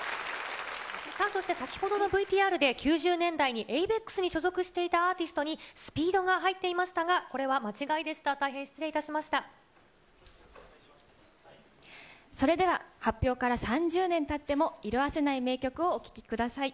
そして先ほどのＶＴＲで９０年代にエイベックスに所属していたアーティストにＳＰＥＥＤが入っていましたが、これは間違いでそれでは発表から３０年たっても、色あせない名曲をお聴きください。